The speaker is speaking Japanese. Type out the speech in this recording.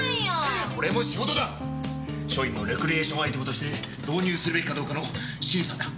署員のレクリエーションアイテムとして導入するべきかどうかの審査だ。